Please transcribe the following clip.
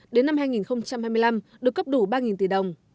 đến năm hai nghìn hai mươi năm được cấp đủ ba tỷ đồng